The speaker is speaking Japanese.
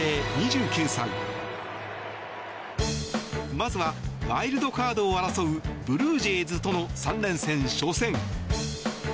まずはワイルドカードを争うブルージェイズとの３連戦初戦。